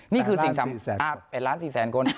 นี่คือสิ่งทำ๑ล้าน๔แสนคน